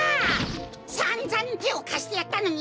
さんざんてをかしてやったのに！